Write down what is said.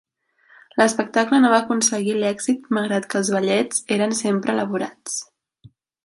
L'espectacle no va aconseguir l'èxit malgrat que els ballets eren sempre elaborats.